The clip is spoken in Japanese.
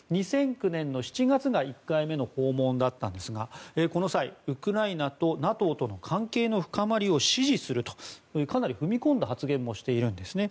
２００９年７月が１回目の訪問だったんですがこの際、ウクライナとＮＡＴＯとの関係の深まりを支持するとかなり踏み込んだ発言もしているんですね。